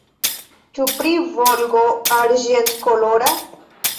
Ĉu pri Volgo arĝentkolora?